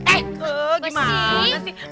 eh gimana sih